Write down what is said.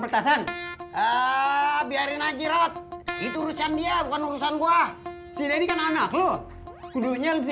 petasan ah biarin aja rot itu urusan dia bukan urusan gua sih ini kan anak lo kudunya lu sih